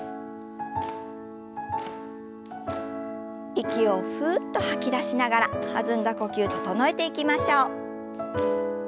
息をふうっと吐き出しながら弾んだ呼吸整えていきましょう。